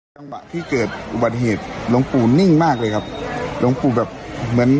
จังหวะที่เกิดอุบัติเหตุหลวงปู่นิ่งมากเลยครับหลวงปู่แบบเหมือน